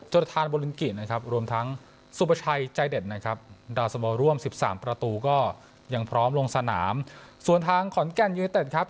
สิบสามประตูก็ยังพร้อมลงสนามส่วนทางขอนแก่นยูนิเต็ดครับ